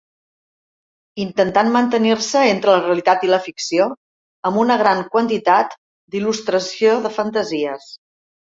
Intentant mantenir-se entre la realitat i la ficció, amb una gran quantitat d'il·lustració de fantasies.